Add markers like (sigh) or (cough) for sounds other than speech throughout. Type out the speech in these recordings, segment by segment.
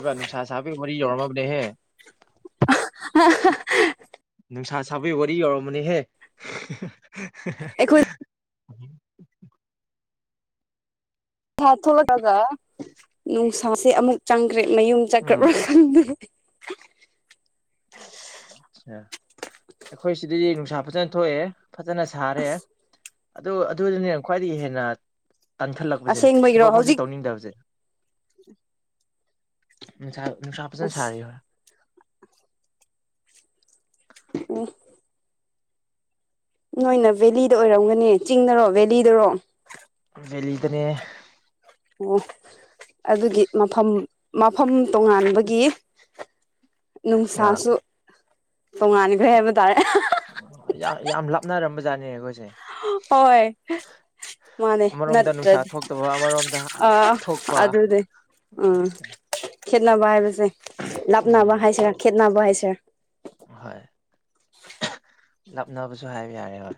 ꯕꯤꯕ ꯅꯨꯡꯁꯥ ꯆꯥꯕꯤ ꯌꯔꯃꯕꯨꯅꯦꯍꯦ ꯑ ꯊꯕꯤꯕꯗꯤ ꯌꯧꯔꯝꯃꯅꯤꯍꯦ ꯎꯝ ꯄꯩꯁꯥ ꯊꯣꯛꯂꯛꯑꯒ ꯅꯨꯡꯁꯥꯁꯦ ꯑꯃꯨꯛ ꯆꯪꯈ꯭ꯔꯦ ꯃꯌꯨꯝ ꯎꯝ ꯆꯠꯈ꯭ꯔꯕ ꯈꯪꯗꯦ ꯑ ꯑꯩꯈꯣꯏ ꯁꯤꯗꯗꯤ ꯅꯨꯡꯁꯥ ꯐꯖꯅ ꯊꯣꯛꯑꯦ ꯐꯖꯅ ꯁꯥꯔꯦ ꯑꯗꯨ ꯑꯗꯨꯗꯨꯅꯦ ꯈ꯭ꯋꯥꯏꯗꯒꯤ ꯍꯦꯟꯅ ꯇꯟꯈꯠꯂꯛꯄꯁꯦ ꯑꯁꯦꯡꯕꯒꯤꯔꯣ ꯊꯕꯛ ꯑꯃꯁꯨ ꯍꯧꯖꯤꯛ ꯇꯧꯅꯤꯡꯗꯕꯁꯦ ꯅꯨꯡꯁꯥ ꯅꯨꯡꯁꯥ ꯐꯖꯅ ꯁꯥꯔꯤ (unintelligible) ꯑꯁ ꯑꯣ ꯅꯣꯏꯅ ꯚꯦꯂꯤꯗ ꯑꯣꯏꯔꯝꯒꯅꯤ ꯆꯤꯡꯗꯔꯣ ꯚꯦꯂꯤꯗꯔꯣ ꯚꯦꯂꯤꯗꯅꯦ ꯑꯣ ꯑꯗꯨꯒꯤ ꯃꯐꯝ ꯃꯐꯝ ꯇꯣꯉꯥꯟꯕꯒꯤ (inaudible) ꯅꯨꯡꯁꯥꯁꯨ ꯇꯣꯉꯥꯟꯈ꯭ꯔꯦ ꯍꯥꯏꯕ ꯇꯥꯔꯦ (unintelligible) ꯌꯥꯝ ꯌꯥꯝ ꯂꯥꯞꯅꯔꯝꯕ ꯖꯥꯠꯅꯦ ꯑꯈꯣꯏꯁꯦ ꯍꯣꯏ ꯃꯥꯅꯦ ꯑꯃꯔꯣꯝꯗ ꯅꯨꯡꯁꯥ ꯅꯠꯇ꯭ꯔꯗꯤ ꯊꯣꯛꯇꯕ ꯑꯃꯔꯣꯝꯗ (unintelligible) ꯑ ꯊꯣꯛꯄ ꯑꯗꯨꯅꯦ ꯎꯝ ꯑꯠꯆꯥ ꯈꯦꯠꯅꯕ ꯍꯥꯏꯕꯁꯦ ꯂꯞꯅꯕ ꯎꯝ ꯍꯥꯏꯁꯤꯔ ꯈꯦꯠꯅꯕ ꯍꯥꯏꯁꯤꯔ ꯍꯣꯏ ꯂꯞꯅꯕꯁꯨ ꯍꯥꯏꯕ ꯌꯥꯔꯦ ꯍꯣꯏ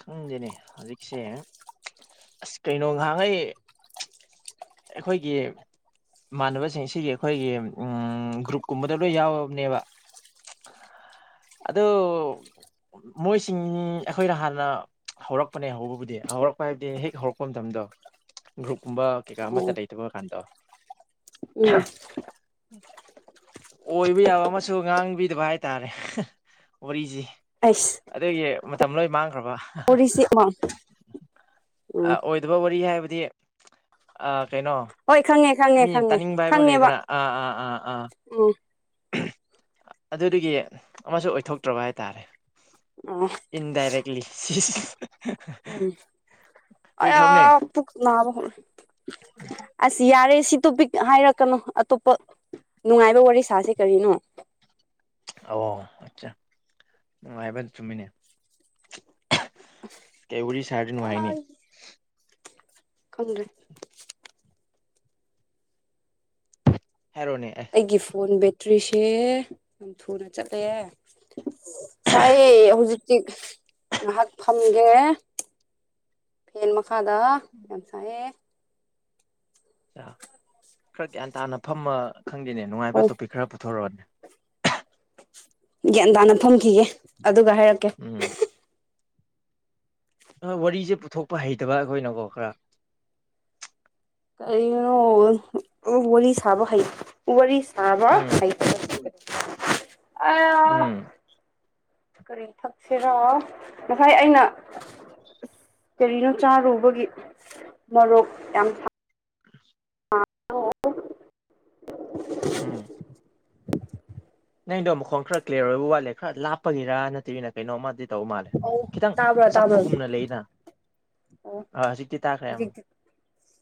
ꯈꯪꯗꯦꯅꯦ ꯍꯧꯖꯤꯛꯁꯦ ꯑꯁ ꯀꯩꯅꯣ ꯉꯍꯥꯟꯒꯩ ꯑꯩꯈꯣꯏꯒꯤ ꯏꯃꯥꯟꯅꯕꯁꯤꯡ ꯁꯤꯒꯤ ꯑꯩꯈꯣꯏꯒꯤ ꯒ꯭ꯔꯨꯞꯀꯨꯝꯕꯗ ꯂꯣꯏ ꯌꯥꯎꯔꯕꯅꯦꯕ ꯑꯗꯨ ꯃꯣꯏꯁꯤꯡ ꯑꯩꯈꯣꯏꯅ ꯍꯥꯟꯅ ꯍꯧꯔꯛꯄꯅꯦ ꯍꯧꯕꯕꯨꯗꯤ ꯍꯧꯔꯛꯄ ꯍꯥꯏꯕꯗꯤ ꯍꯦꯛ ꯍꯧꯔꯛꯄ ꯃꯇꯝ ꯗꯣ ꯒ꯭ꯔꯨꯞꯀꯨꯝꯕ ꯀꯩꯀꯥ ꯑꯣ ꯑꯃꯠꯇ ꯂꯩꯇꯕ ꯀꯥꯟꯗꯣ ꯎꯝ ꯑꯣꯏꯕ ꯌꯥꯕ ꯑꯃꯁꯨ ꯉꯥꯡꯕꯤꯗꯕ ꯍꯥꯏꯇꯥꯔꯦ ꯋꯥꯔꯤꯁꯤ ꯑꯁ ꯑꯗꯨꯒꯤ ꯃꯇꯝ ꯂꯣꯏ ꯃꯥꯡꯈ꯭ꯔꯕ ꯍꯥ ꯍꯥ ꯑ ꯎꯝ ꯑꯣꯏꯗꯕ ꯋꯥꯔꯤ ꯍꯥꯏꯕ ꯗꯤ ꯑ ꯀꯩꯅꯣ ꯍꯣꯏ ꯈꯪꯉꯦ ꯈꯪꯉꯦ ꯃꯤꯅ ꯈꯪꯉꯦ ꯇꯥꯅꯤꯡꯕ ꯍꯥꯏꯕ ꯑꯃ ꯈꯪꯉꯦꯕ ꯂꯩꯗꯅ ꯎꯝ ꯑꯗꯨꯗꯨꯒꯤ ꯑꯃꯁꯨ ꯑꯣꯏꯊꯣꯛꯇ꯭ꯔꯕ ꯍꯥꯏꯇꯥꯔꯦ ꯑꯣ ꯏꯟꯗꯥꯏꯔꯦꯛꯂꯤ ꯎꯝ ꯀꯨꯏꯈ꯭ꯔꯕꯅꯦ ꯑ ꯄꯨꯛ ꯅꯥꯕ ꯍꯧꯔꯦ ꯑꯁꯤ ꯌꯥꯔꯦꯁꯤ ꯇꯣꯄꯤꯛ ꯍꯥꯏꯔꯛꯀꯅꯨ ꯑꯇꯣꯞꯄ ꯅꯨꯡꯉꯥꯏꯕ ꯋꯥꯔꯤ ꯁꯥꯥꯁꯦ ꯀꯔꯤꯅꯣ ꯑꯣ ꯑꯆꯥ ꯅꯨꯡꯉꯥꯏꯕꯅ ꯆꯨꯝꯃꯤꯅꯦ ꯀꯩ ꯋꯥꯔꯤ ꯁꯔꯗꯤ ꯅꯉꯥꯏꯅꯤ ꯑꯥꯏ ꯈꯪꯗ꯭ꯔꯦ ꯍꯥꯏꯔꯣꯅꯦ ꯑꯩꯒꯤ ꯐꯣꯟ ꯕꯦꯇ꯭ꯔꯤꯁꯦ ꯌꯥꯝ ꯊꯨꯅ ꯆꯠꯂꯦ ꯁꯥꯏꯌꯦ ꯍꯧꯖꯤꯛ ꯍꯧꯖꯤꯛ ꯉꯥꯏꯍꯥꯛ ꯐꯝꯒꯦ ꯐꯦꯟ ꯃꯈ ꯃꯈꯥꯗ ꯌꯥꯝ ꯁꯥꯏꯌꯦ ꯈꯔ ꯈꯔ ꯒ꯭ꯌꯥꯟ ꯇꯥꯅ ꯐꯝꯃ ꯈꯪꯗꯦꯅꯦ ꯅꯨꯡꯉꯥꯏꯕ ꯍꯣꯏ ꯇꯣꯄꯤꯛ ꯈꯔ ꯄꯨꯊꯣꯔꯣꯛꯑꯣꯅꯦ ꯒ꯭ꯌꯥꯟ ꯇꯥꯅ ꯐꯝꯈꯤꯒꯦ ꯑꯗꯨꯒ ꯍꯥꯏꯔꯛꯀꯦ ꯎꯝ ꯋꯥꯔꯤꯁꯦ ꯄꯨꯊꯣꯛꯄ ꯍꯩꯇꯕ ꯑꯩꯈꯣꯏꯅꯀꯣ ꯈꯔ ꯀꯩꯅꯣ (unintelligible) ꯋꯥꯔꯤ ꯁꯥꯕ ꯍꯩ ꯋꯥꯔꯤ ꯁꯥꯕ ꯎꯝ ꯍꯩ (unintelligible) ꯎꯝ ꯀꯔꯤ ꯊꯛꯁꯤꯔꯣ ꯉꯁꯥꯏ ꯑꯩꯅ ꯀꯔꯤꯅꯣ ꯆꯥꯔꯨꯕꯒꯤ ꯃꯔꯣꯛ ꯌꯥꯝ ꯐ ꯍꯂꯣ ꯅꯩꯗꯣ ꯃꯈꯣꯟ ꯈꯔ ꯀ꯭ꯂꯤꯌꯥꯔ ꯑꯣꯏꯕ ꯋꯥꯠꯂꯦ ꯈꯔ ꯂꯥꯞꯄꯒꯤꯔꯥ ꯅꯠꯇꯕꯤꯅ ꯀꯩꯅꯣꯝ ꯑꯃꯥꯗꯤ ꯇꯧ ꯃꯥꯜꯂꯦ ꯑꯣ ꯈꯤꯇꯪ ꯇꯥꯕ꯭ꯔꯣ ꯇꯥꯕ꯭ꯔꯣ ꯆꯞꯄꯒꯨꯝꯅ ꯂꯩꯌ‌ꯦꯅ ꯑꯣ ꯍꯧꯖꯤꯛꯇꯤ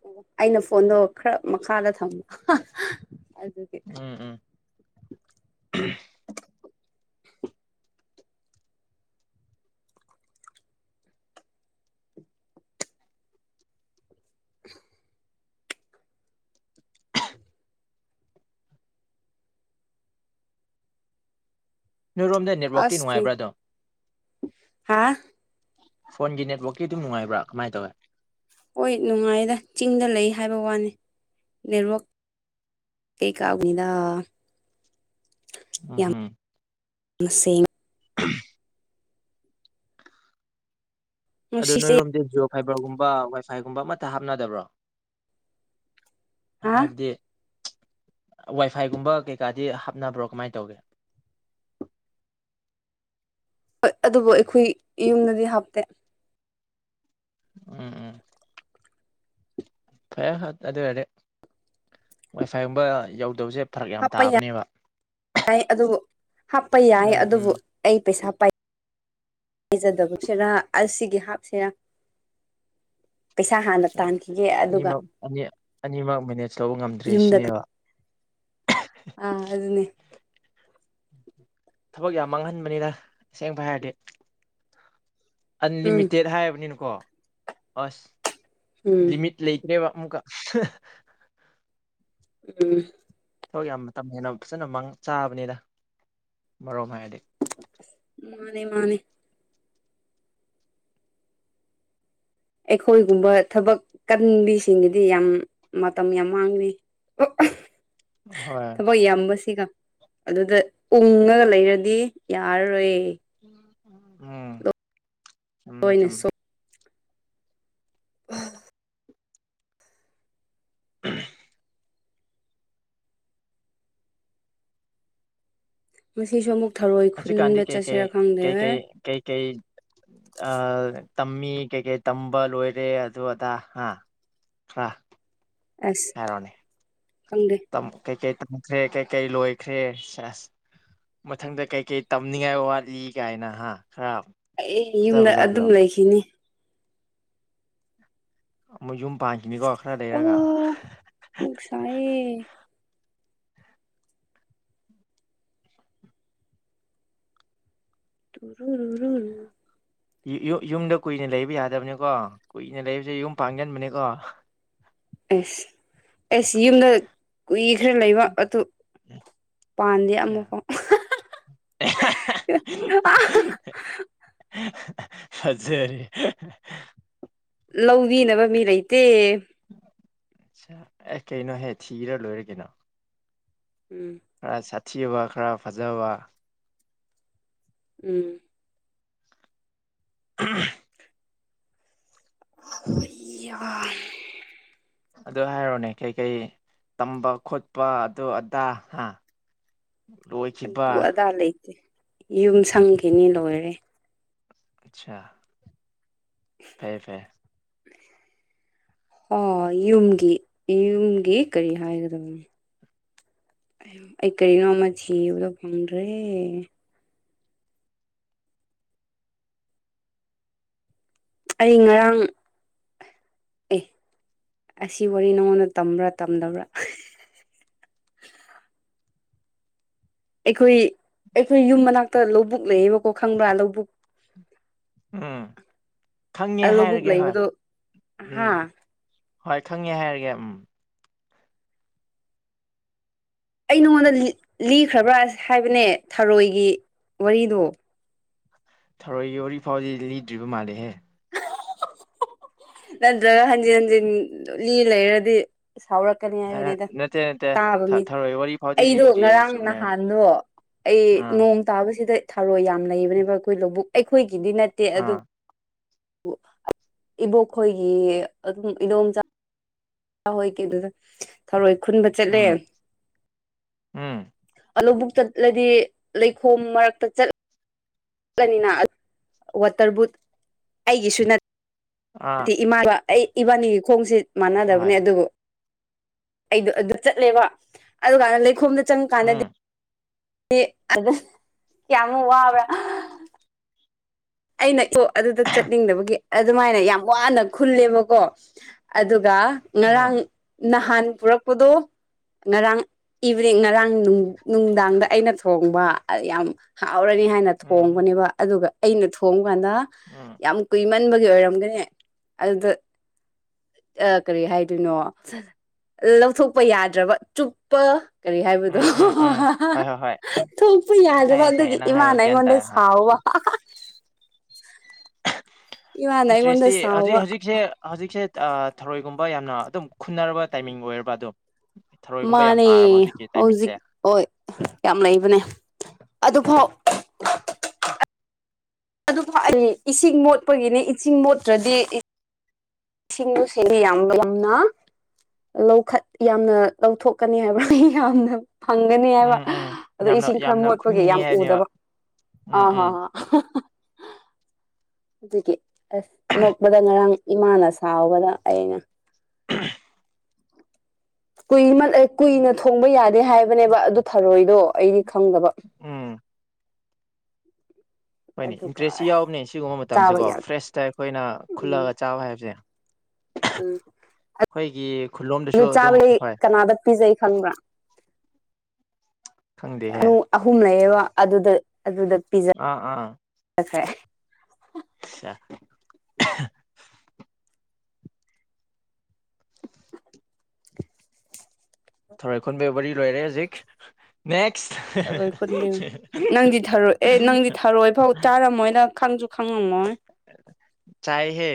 ꯑꯣ ꯑꯩꯅ ꯐꯣꯟꯗꯣ ꯈꯔ ꯃꯈꯥꯗ ꯊꯝꯃ (inaudible) ꯑꯗꯨꯒꯤ ꯎꯝ ꯎꯝ (unintelligible) (inaudible) (inaudible) ꯅꯣꯏꯔꯣꯝꯗ ꯅꯦꯠꯋꯥꯛꯇꯤ ꯅꯨꯡꯉꯥꯏꯕ꯭ꯔꯥ ꯑꯗꯨꯝ ꯍꯥꯥ ꯐꯣꯟꯒꯤ ꯅꯦꯠꯋꯥꯛꯀꯤ ꯑꯗꯨꯝ ꯅꯨꯡꯉꯥꯏꯕ꯭ꯔꯥ ꯀꯃꯥꯏꯅ ꯇꯧꯋꯦ ꯍꯣꯏ ꯅꯨꯡꯉꯥꯏꯗ ꯆꯤꯡꯗ ꯂꯩ ꯍꯥꯏꯕ ꯋꯥꯅꯤ ꯅ‌ꯦꯠꯋꯥꯛ ꯀꯩ ꯀꯥꯕꯨꯅꯤꯗ ꯑꯝ ꯍꯝ ꯁꯦꯡ (unintelligible) ꯑꯗ‌ꯣ ꯉꯁꯤꯁꯦ ꯅꯣꯏꯔꯣꯝꯗꯤ ꯖꯤꯑꯣ ꯐꯥꯏꯕꯔꯒꯨꯝꯕ ꯋꯥꯏꯐꯥꯏꯒꯨꯝꯕ ꯑꯃꯠꯇ ꯍꯥꯞꯅꯗꯕ꯭ꯔꯣ ꯍꯥ ꯍꯥꯏꯕꯗꯤ ꯋꯥꯏꯐꯥꯏꯒꯨꯝꯕ ꯀꯩꯀꯥꯗꯤ ꯍꯥꯞꯅꯕ꯭ꯔꯣ ꯀꯃꯥꯏ ꯇꯧꯒꯦ (inaudible) ꯍꯣꯏ ꯑꯗꯨꯕꯨ ꯑꯩꯈꯣꯏ ꯌꯨꯝꯗꯗꯤ ꯍꯥꯞꯇꯦ ꯎꯝ ꯎꯝ ꯐꯔꯦ ꯑꯗꯨ ꯑꯣꯏꯔꯗꯤ ꯋꯥꯏꯐꯥꯏꯒꯨꯝꯕ ꯌꯧꯗꯕꯁꯦ ꯐꯔꯛ ꯌꯥꯝ ꯍꯥꯄ ꯌꯥꯏ ꯇꯥꯕꯅꯦꯕ ꯌꯥ ꯑꯗꯨꯕꯨ ꯍꯥꯞꯄ ꯌꯥꯏ ꯎꯝ ꯎꯝ ꯑꯗꯨꯕꯨ ꯑꯩ ꯄꯩꯁꯥ ꯄꯥꯏꯖꯗꯕꯁꯤꯔ ꯑꯁꯤꯒꯤ ꯍꯥꯞꯁꯤꯔꯥ ꯑꯅꯤꯃꯛ ꯑꯅꯤꯃꯛ ꯃꯦꯅꯦꯖ ꯇꯧꯕ ꯉꯝꯗ꯭ꯔꯦ ꯌꯨꯝꯗ ꯁꯤꯅꯦꯕ (inaudible) ꯑꯥ ꯑꯗꯨꯅꯦ ꯊꯕꯛ ꯌꯥꯝ ꯃꯥꯡꯍꯟꯕꯅꯤꯗ ꯑꯁꯦꯡꯕ ꯍꯥꯏꯔꯗꯤ ꯎꯝ ꯑꯟꯂꯤꯃꯤꯇꯦꯠ ꯍꯥꯏꯕꯅꯤꯅꯀꯣ ꯑꯁ ꯎꯝ ꯂꯤꯃꯤꯠ ꯂꯩꯇ꯭ꯔꯦꯕ ꯑꯃꯨꯛꯀ ꯎꯝ ꯍꯣꯏ ꯌꯥꯝ ꯃꯇꯝ ꯍꯦꯟꯅ ꯐꯖꯟꯅ ꯃꯥꯡ ꯆꯥꯕꯅꯤꯗ ꯑꯃꯔꯣꯝ ꯍꯥꯏꯔꯗꯤ ꯃꯥꯅꯦ ꯃꯥꯅꯦ ꯑꯩꯈꯣꯏꯒꯨꯝꯕ ꯊꯕꯛ ꯀꯟꯕꯤꯁꯤꯡꯒꯤꯗꯤ ꯌꯥꯝ ꯃꯇꯝ ꯌꯥꯝ ꯃꯥꯡꯂꯤ (unintelligible) ꯍꯣꯏ ꯊꯕꯛ ꯌꯥꯝꯕꯁꯤꯒ ꯑꯗꯨꯗ ꯎꯪꯉꯒ ꯂꯩꯔꯗꯤ ꯌꯥꯔꯔꯣꯏ ꯎꯝ ꯎꯝ ꯂꯣꯏꯅ ꯆꯃꯦ ꯎ ꯎꯝ ꯃꯁꯤꯁꯨ ꯑꯃꯨꯛ ꯊꯔꯣꯏ ꯍꯧꯖꯤꯀꯥꯟꯗꯤ ꯈꯨꯟꯕ ꯀꯩ ꯀꯩ ꯆꯠꯁꯤꯔꯥ ꯈꯪꯗꯦ ꯀꯩ ꯀꯩ ꯀꯩ ꯀꯩ ꯑ ꯇꯝꯃꯤ ꯀꯩꯀꯩ ꯇꯝꯕ ꯂ‌ꯣꯏꯔꯦ ꯑꯗꯨ ꯑꯗꯥ ꯍꯥ ꯍꯥ ꯑꯁ ꯍꯥꯏꯔꯣꯅꯦ ꯈꯪꯗꯦ ꯀꯩꯀꯩ ꯇꯝꯈ꯭ꯔꯦ ꯀꯩꯀꯩ ꯂꯣꯏꯈ꯭ꯔꯦ ꯁ‌ꯦꯁ ꯃꯊꯪꯗ ꯀꯩ ꯀꯩ ꯇꯝꯅꯤꯡꯉꯥꯏ ꯋꯥꯠꯂꯤ ꯀꯥꯏꯅ ꯍꯥ ꯈꯔ ꯑꯩ ꯐꯖ ꯌꯨꯝꯗ ꯐꯖꯕꯗꯣ ꯑꯗꯨꯝ ꯂꯩꯈꯤꯅꯤ ꯃꯣꯏ ꯌꯨꯝ ꯄꯥꯟꯈꯤꯅꯤꯀꯣ ꯈꯔ ꯂꯩꯔꯒ ꯑꯣ ꯄꯨꯛ ꯁꯥꯏꯌꯦ ꯇꯨ ꯔꯨ ꯔꯨ ꯔꯨ ꯔꯨ ꯌꯨ ꯌꯨ ꯌꯨꯝꯗ ꯀꯨꯏꯅ ꯂꯩꯕ ꯌꯥꯗꯕꯅꯤꯀꯣ ꯀꯨꯏꯅ ꯂꯩꯕꯁꯦ ꯌꯨꯝ ꯄꯥꯟꯒꯟꯕꯅꯦꯀꯣ ꯑꯦꯁ ꯑꯦꯁ ꯌꯨꯝꯗ ꯀꯨꯏ ꯈꯔ ꯂꯩꯕ ꯑꯗꯨ ꯄꯥꯟꯗꯦ ꯎꯝ ꯑꯃꯐꯥꯎ ꯑ ꯑ ꯁꯔꯤ ꯂꯧꯕꯤꯅꯕ ꯃꯤ ꯂꯩꯇꯦ ꯑꯠꯆꯥ ꯑꯦ ꯀꯩꯅꯣꯍꯦ ꯊꯤꯔ ꯂꯣꯏꯔꯦ ꯀꯩꯅꯣ ꯎꯝ ꯈꯔ ꯁꯥꯊꯤꯕ ꯈꯔ ꯐꯖꯕ ꯎꯝ ꯑ ꯍꯣꯏꯑꯕ ꯑꯗꯨ ꯍꯥꯏꯔꯣꯅꯦ ꯀꯩꯀꯩ ꯇꯝꯕ ꯈꯣꯠꯄ ꯑꯗꯨ ꯑꯗꯥ ꯍꯥ ꯂꯣꯏꯈꯤꯕ ꯑꯗꯨ ꯑꯗꯥ ꯂꯩꯇꯦ ꯌꯨꯝ ꯁꯪꯈꯤꯅꯤ ꯂꯣꯏꯔꯦ ꯑꯆꯥ ꯐꯩꯌꯦ ꯐꯩꯌꯦ ꯍꯣꯏ ꯌꯨꯝꯒꯤ ꯌꯨꯝꯒꯤ ꯀꯔꯤ ꯍꯥꯏꯒꯗꯕꯅꯣ ꯑꯩ ꯀꯔꯤꯅꯣꯃ ꯊꯤꯕꯗꯣ ꯐꯪꯗ꯭ꯔꯦ ꯑꯩ ꯉꯔꯥꯡ ꯑꯦ ꯑꯁꯤ ꯋꯥꯔꯤ ꯅꯉꯣꯟꯗ ꯇꯝꯕ꯭ꯔꯥ ꯇꯝꯗꯕ꯭ꯔꯥ (inaudible) ꯑꯩꯈꯣꯏ ꯑꯩꯈꯣꯏ ꯌꯨꯝ ꯃꯅꯥꯛꯇ ꯂꯧꯕꯨꯛ ꯂꯩꯌꯦꯕꯀꯣ ꯈꯪꯕ꯭ꯔꯥ ꯂꯧꯕꯨꯛ ꯎꯝ ꯈꯪꯉꯦ ꯂꯧꯕꯨꯛ ꯍꯥꯏꯔꯒꯦ ꯍꯣꯏ ꯂꯩꯕꯗꯣ ꯎꯝ ꯍꯥ ꯍꯣꯏ ꯈꯪꯉꯦ ꯍꯥꯏꯔꯒꯦ ꯎꯝ ꯑꯩ ꯅꯉꯣꯟꯗ ꯂꯤꯈ꯭ꯔꯕ꯭ꯔꯥ ꯍꯥꯏꯕꯅꯦ ꯊꯔꯣꯏꯒꯤ ꯋꯥꯔꯤꯗꯣ ꯊꯔꯣꯏꯒꯤ ꯋꯥꯔꯤꯐꯥꯎꯗꯤ ꯂꯤꯗ꯭ꯔꯤꯕ ꯃꯥꯜꯂꯦꯍꯦ ꯅꯠꯇ꯭ꯔꯒ ꯍꯟꯖꯤꯟ ꯍꯟꯖꯤꯟ ꯂꯤ ꯂꯩꯔꯗꯤ ꯁꯥꯎꯔꯛ ꯀꯅꯤ ꯑ ꯍꯥꯏꯕꯅꯦꯗ ꯅꯠꯇꯦ ꯅꯠꯇꯦ ꯇꯥꯕ ꯊ ꯃꯤ ꯊꯔꯣꯏ ꯋꯥꯔꯤ ꯐꯥꯎꯗꯤ ꯑꯩꯗꯣ ꯂꯤꯗ꯭ꯔꯤꯌꯦ ꯉꯔꯥꯡ ꯆꯨꯝꯃꯦ ꯅꯍꯥꯟꯗꯣ ꯑꯩ ꯑꯥ ꯅꯣꯡ ꯇꯥꯕꯁꯤꯗ ꯊꯥꯔꯣꯏ ꯌꯥꯝ ꯂꯩꯕꯅꯦꯕ ꯑꯩꯈꯣꯏ ꯂꯧꯕꯨꯛ ꯑꯩꯈꯣꯏꯒꯤꯗꯤ ꯅꯠꯇꯦ ꯑꯗꯨ ꯑꯥ ꯄꯨ (inaudible) ꯏꯕꯣꯛ ꯈꯣꯏꯒꯤ ꯑꯗꯨꯝ ꯏꯗꯣꯝꯆꯥ ꯍꯣꯏ ꯍꯣꯏ ꯀꯩꯗꯧꯗ ꯊꯧꯔꯣꯏ ꯈꯨꯟꯕ ꯆꯠꯂꯦ ꯎꯝ ꯎꯝ ꯑ ꯂꯧꯕꯨꯛ ꯆꯠꯂꯗꯤ ꯂꯩꯈꯣꯝ ꯃꯔꯛꯇ ꯆꯠ ꯆꯠꯂꯅꯤꯅ ꯋꯥꯇꯔ ꯕꯨꯠ ꯑꯩꯒꯤꯁꯨ ꯅꯠ (unintelligible) ꯑꯥ ꯇꯤ ꯏꯃꯥꯒ ꯑꯩ ꯏꯕꯥꯅꯤꯒꯤ ꯈꯣꯡꯁꯤ ꯍꯣꯏ ꯃꯥꯟꯅꯗꯕꯅꯦ ꯑꯗꯨꯕꯨ ꯑꯩꯗꯣ ꯑꯗꯨ ꯆꯠꯂꯦꯕ ꯑꯗꯨꯀꯥꯟꯅ ꯂꯩꯈꯣꯝꯗ ꯆꯪꯉꯀꯥꯟꯗꯗꯤ ꯎꯝ ꯗꯤ ꯑꯗ ꯀꯌꯥꯃꯨꯛ ꯋꯥꯕ꯭ꯔꯥ ꯑꯩꯅ ꯁꯨ ꯑꯗꯨꯗ ꯆꯠꯅꯤꯡꯗꯕꯒꯤ ꯑꯗꯨꯃꯥꯏꯅ ꯌꯥꯝ ꯋꯥꯅ ꯈꯨꯜꯂꯦꯕꯀꯣ ꯑꯗꯨ ꯒ ꯉꯔꯥꯡ ꯎꯝ ꯅꯍꯥꯟ ꯄꯨꯔꯛꯄꯗꯣ ꯉꯔꯥꯡ ꯏꯚꯅꯤꯡ ꯉꯔꯥꯡ ꯅꯨꯡꯗꯥꯡꯗ ꯑꯩꯅ ꯊꯣꯡꯕ ꯑꯌ ꯌꯥꯝ ꯍꯥꯎ ꯍꯥꯎꯔꯅꯤ ꯍꯥꯏꯅ ꯎꯝ ꯊꯣꯡꯕꯅꯦꯕ ꯑꯗꯨꯒ ꯑꯩꯅ ꯊꯣꯡꯕ ꯀꯥꯟꯗ ꯎꯝ ꯌꯥꯝ ꯀꯨꯏꯃꯟꯕꯩ ꯕꯩ ꯑꯣꯏꯔꯝꯒꯅꯤ ꯑꯗꯨꯗꯨ ꯀꯔꯤ ꯍꯥꯏꯗꯣꯏꯅꯣ ꯂꯧꯊꯣꯛꯄ ꯌꯥꯗ꯭ꯔꯕ ꯆꯨꯞꯄ ꯀꯔꯤ ꯍꯥꯏꯕꯗꯣ ꯎꯝ ꯎꯝ ꯎꯝ ꯍꯣꯏ ꯍꯣꯏ ꯍꯣꯏ ꯊꯣꯛꯄ ꯌꯥꯗ꯭ꯔꯕ ꯈꯪꯉꯦ ꯈꯪꯉꯦ ꯑꯗꯨꯒꯤ ꯅꯪ ꯍꯥꯏꯕ ꯏꯃꯥꯅ ꯒ꯭ꯌꯥꯟ ꯑꯩꯉꯣꯟꯗ ꯇꯥꯔꯦ ꯍꯣꯏ ꯁꯥꯎꯕ ꯏꯃꯥꯅ ꯑꯩꯉꯣꯟꯗ ꯏꯟꯇ꯭ꯔꯦꯁꯇꯤ ꯁꯥꯎꯕ ꯍꯧꯖꯤꯛ ꯍꯧꯖꯤꯛꯁꯦ ꯍꯧꯖꯤꯛꯁꯦ ꯑ ꯊꯔꯣꯏꯒꯨꯝꯕ ꯌꯥꯝꯅ ꯑꯗꯨꯝ ꯈꯨꯟꯅꯔꯕ ꯇꯥꯏꯃꯤꯡ ꯑꯣꯏꯔꯕ ꯑꯗꯨ ꯃꯥꯅꯦ ꯍꯧꯖꯤꯛ ꯍꯣꯏ ꯁꯦ ꯌꯥꯝ ꯂꯩꯕꯅꯦ ꯑꯗꯨꯐꯥꯎ ꯑꯗꯨ ꯐꯥꯎ ꯑꯩ ꯏꯁꯤꯡ ꯃꯣꯠꯄꯒꯤꯅꯦ ꯏꯁꯤꯡ ꯃꯣꯠꯇ꯭ꯔꯗꯤ ꯁꯤꯡ (unintelligible) ꯌꯥꯝꯕ ꯌꯥꯝꯅ ꯂꯧꯈꯠ ꯌꯥꯝꯅ ꯂꯧꯊꯣꯛꯀꯅꯤ ꯍꯥꯏꯕ꯭ꯔꯥ ꯌꯥꯝꯅ ꯐꯪꯒꯅꯤ ꯍꯥꯏꯕ ꯎꯝ ꯎꯝ ꯑꯗꯣ ꯌꯥꯝꯅ ꯏꯁꯤꯡ ꯈꯔ ꯌꯥꯝꯅ ꯃꯣꯠꯄꯒꯤ ꯈꯨꯟꯒꯅꯤ ꯌꯥꯝ ꯍꯥꯏꯕꯅꯦꯕ ꯎꯗꯕ ꯑ ꯎꯝ ꯍꯥ ꯍꯥ ꯑꯗꯨꯒꯤ ꯑꯁ ꯅꯣꯛꯄꯗ ꯉꯔꯥꯡ ꯏꯃꯥꯅ ꯁꯥꯎꯕꯗ ꯑꯩꯅ (unintelligible) ꯀꯨꯏꯃꯜ ꯑ ꯀꯨꯏꯅ ꯊꯣꯡꯕ ꯌꯥꯗꯦ ꯍꯥꯏꯕꯅꯦꯕ ꯑꯗꯨ ꯊꯔꯣꯏ ꯗꯣ ꯑꯩꯗꯤ ꯈꯪꯗꯕ꯫ ꯎꯝ ꯎꯝ ꯍꯣꯏꯅꯦ ꯑꯗꯨꯒ ꯏꯟꯇ꯭ꯔꯦꯁꯁꯤ ꯌꯥꯎꯕꯅꯦ ꯁꯤꯒꯨꯝꯕ ꯆꯥꯕ ꯃꯇꯝꯖꯦꯀꯣ ꯌꯥꯗꯦ ꯐ꯭ꯔꯦꯁꯇ ꯑꯩꯈꯣꯏꯅ ꯎꯝ ꯈꯨꯜꯂꯒ ꯆꯥꯕ ꯍꯥꯏꯕꯖꯦ꯫ ꯎꯝ ꯑ ꯑꯩꯈꯣꯏꯒꯤ ꯈꯨꯜꯂꯣꯝꯗꯁꯨ ꯑꯗꯨ ꯑꯗꯨꯝ ꯆꯥꯕꯒꯤ ꯍꯣꯏ ꯀꯅꯥꯗ ꯄꯤꯖꯩ ꯈꯪꯕ꯭ꯔꯥ꯫ ꯈꯪꯗꯦꯍꯦ ꯆꯥꯅꯨ ꯑꯍꯨꯝ ꯂꯩꯌꯦꯕ ꯑꯗꯨꯗ ꯑꯗꯨꯗ ꯄꯤꯖ ꯑꯥ ꯑꯥ (unintelligible) (unintelligible) ꯊꯔꯣꯏ ꯈꯨꯟꯕꯩ ꯋꯥꯔꯤ ꯂꯣꯏꯔꯦ ꯍꯧꯖꯤꯛ ꯅꯦꯛ ꯊꯔꯣꯏ ꯈꯨꯟꯕꯤꯌꯨ ꯅꯪꯗꯤ ꯊꯔꯣꯏ ꯑꯦ ꯅꯪꯗꯤ ꯊꯔꯣꯏꯐꯥꯎ ꯆꯥꯔꯝꯃꯣꯏꯗ ꯈꯪꯖꯨ ꯆꯥꯏꯍꯦ꯫